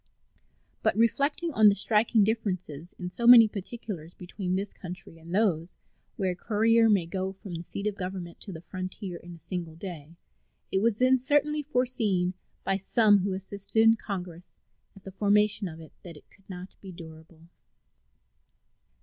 But reflecting on the striking difference in so many particulars between this country and those where a courier may go from the seat of government to the frontier in a single day, it was then certainly foreseen by some who assisted in Congress at the formation of it that it could not be durable.